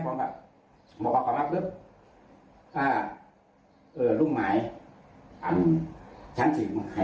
ลองซื้อเจ้าชื่นหาใหม่ก่ายพืชเจ้า